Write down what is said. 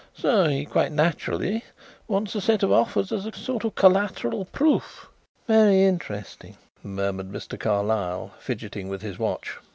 So he quite naturally wants a set of Offas as a sort of collateral proof." "Very interesting," murmured Mr. Carlyle, fidgeting with his watch.